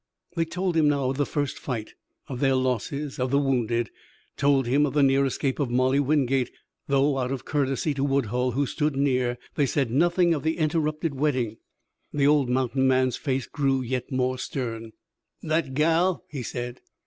They told him now of the first fight, of their losses, of the wounded; told him of the near escape of Molly Wingate, though out of courtesy to Woodhull, who stood near, they said nothing of the interrupted wedding. The old mountain man's face grew yet more stern. "That gal!" he said.